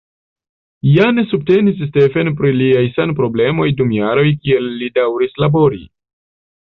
Jane subtenis Stephen pri liaj sanproblemoj dum jaroj kiel li daŭris labori.